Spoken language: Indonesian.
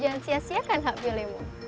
yang sia siakan hak pilihmu